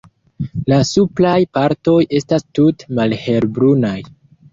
La supraj partoj estas tute malhelbrunaj.